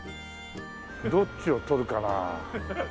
どっちを取るかな。